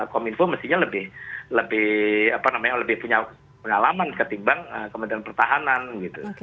kominfo mestinya lebih punya pengalaman ketimbang kementerian pertahanan gitu